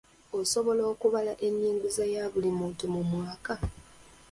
Osobola okubala enyingiza ya buli muntu mu mwaka?